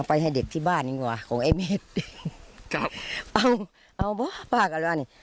ไปให้เด็กที่บ้านดีกว่าของไอ้เมฆครับเอาเอาบ่ะป้าก็ว่านี่